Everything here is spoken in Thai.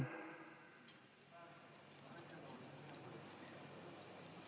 นี่ครับ